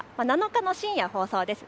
７日の深夜放送です。